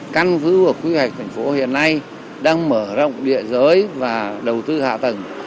căn cứ và quy hoạch thành phố hiện nay đang mở rộng địa giới và đầu tư hạ tầng